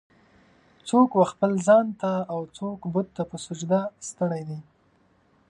"څوک و خپل ځان ته اوڅوک بت ته په سجده ستړی دی.